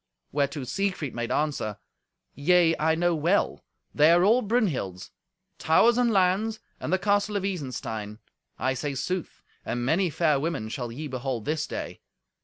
Whereto Siegfried made answer, "Yea, I know well. They are all Brunhild's—towers and lands, and the castle of Isenstein. I say sooth; and many fair women shall ye behold this day.